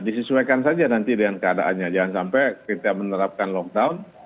disesuaikan saja nanti dengan keadaannya jangan sampai kita menerapkan lockdown